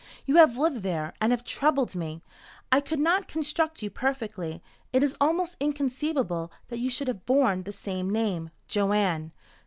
"You have lived there, and have troubled me. I could not construct you perfectly. It is almost inconceivable that you should have borne the same name Joanne.